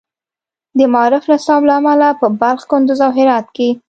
د معارف نصاب له امله په بلخ، کندز، او هرات کې